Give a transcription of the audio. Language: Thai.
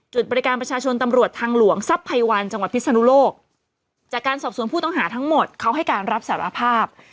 บริการประชาชนตำรวจทางหลวงทรัพย์ไพวันจังหวัดพิศนุโลกจากการสอบสวนผู้ต้องหาทั้งหมดเขาให้การรับสารภาพ